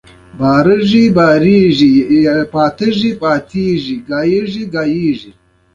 کله چې جان سمېت او کورټس بېلتون تخم وکرل.